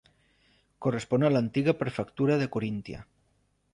Correspon a l'antiga prefectura de Coríntia.